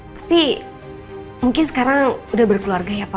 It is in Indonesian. tapi mungkin sekarang udah berkeluarga ya pak